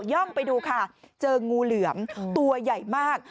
่องไปดูค่ะเจองูเหลือมตัวใหญ่มาก